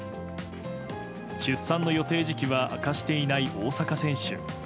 出産の予定時期は明かしていない大坂選手。